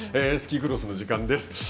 スキークロスの時間です。